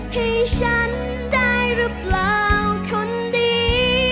ให้ฉันได้หรือเปล่าคนดี